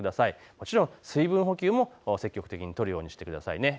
もちろん水分補給も積極的にとるようにしてください。